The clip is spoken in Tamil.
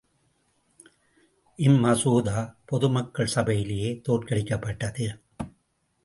இம்மசோதா பொதுமக்கள் சபையிலே தோற்கடிக்கப்பட்டது.